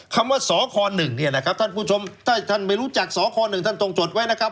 คำว่าสค๑เนี่ยนะครับท่านผู้ชมถ้าท่านไม่รู้จักสค๑ท่านต้องจดไว้นะครับ